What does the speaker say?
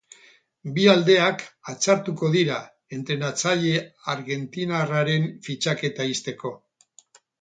Bi aldeak atzartuko dira, entrenatzaile argentinarraren fitxaketa ixteko.